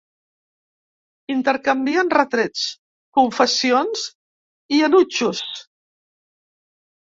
Intercanvien retrets, confessions i enutjos.